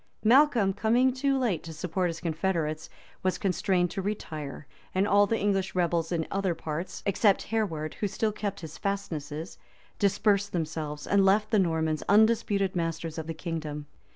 Malcolm, coming too late to support his confederates, was constrained to retire; and all the English rebels in other parts, except Hereward, who still kept in his fastnesses, dispersed themselves, and left the Normans undisputed masters of the kingdom.